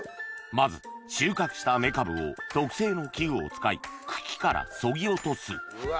まず収穫したメカブを特製の器具を使い茎からそぎ落とすうわ